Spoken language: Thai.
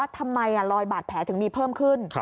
ทำไมรอยบาดแผลถึงมีเพิ่มขึ้น